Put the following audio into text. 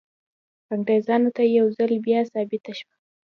انګریزانو ته یو ځل بیا ثابته شوه.